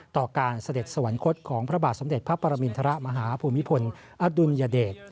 ต่อการเสด็จสวรรคตของพระบาทสมเด็จพระปรมินทรมาฮภูมิพลอดุลยเดช